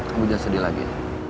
kamu jangan sedih lagi